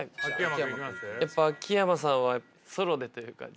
やっぱ秋山さんはソロでというか。